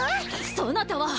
そなたは。